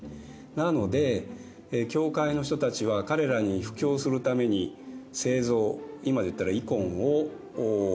なので教会の人たちは彼らに布教するために聖像今で言ったらイコンを使ったんですね。